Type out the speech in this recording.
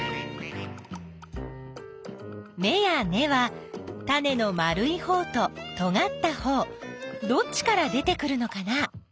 めや根はタネの丸いほうととがったほうどっちから出てくるのかな？